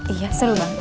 iya seru banget